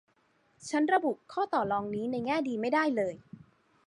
ฉันระบุข้อต่อรองนี้ในแง่ดีไม่ได้เลย